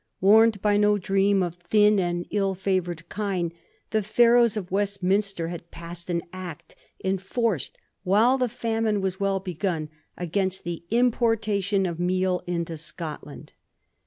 Warned by no dream of thin and ill fevom^ kine, the Pharaohs of Westminster had passed an Act, enforced while the famine was well begim, against the importation of meal into Scotland.